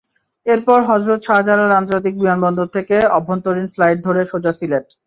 এরপর হজরত শাহজালাল আন্তর্জাতিক বিমানবন্দর থেকে অভ্যন্তরীণ ফ্লাইট ধরে সোজা সিলেটে।